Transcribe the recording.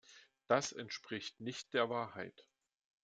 Das entspricht nicht der Wahrheit.